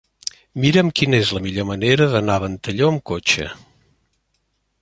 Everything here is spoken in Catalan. Mira'm quina és la millor manera d'anar a Ventalló amb cotxe.